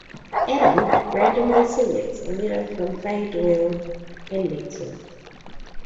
Adam randomly selects a letter from a Fay Doyle and meets her.